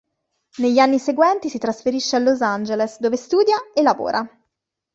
Negli anni seguenti si trasferisce a Los Angeles dove studia e lavora.